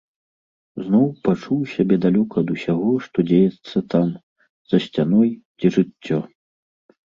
Зноў пачуў сябе далёка ад усяго, што дзеецца там, за сцяной, дзе жыццё.